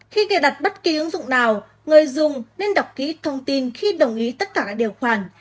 khi cài đặt bất kỳ ứng dụng nào người dùng nên đọc kỹ thông tin khi đồng ý tất cả lại điều khoản